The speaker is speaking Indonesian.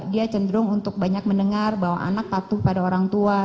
dia cenderung untuk banyak mendengar bahwa anak patuh pada orang tua